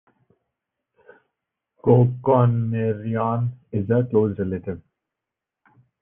"Cocconerion" is a close relative.